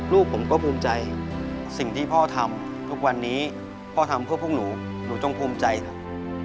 ลูกผมก็ภูมิใจสิ่งที่พ่อทำทุกวันนี้พ่อทำเพื่อพวกหนูหนูจงภูมิใจครับ